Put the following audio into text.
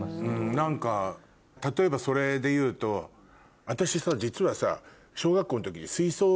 何か例えばそれでいうと私さ実はさ。